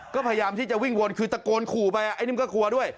ก็พยายามที่จะวิ่งวนคือตะโกนขู่ไปไอ้นี่มันก็กลัวด้วย